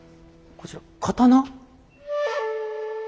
こちら刀？